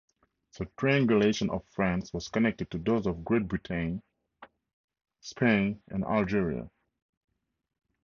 The triangulation of France was connected to those of Great Britain, Spain and Algeria.